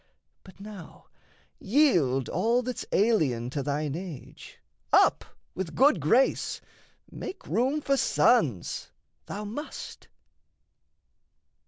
But now yield all that's alien to thine age, Up, with good grace! make room for sons: thou must."